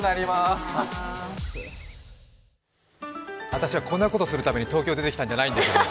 私はこんなことするために東京に出てきたんじゃないです。